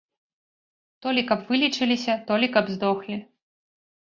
То лі каб вылечыліся, то лі каб здохлі.